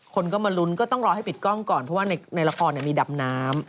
คนก็มารุ้นก็ต้องรอให้ปิดกล้องก่อน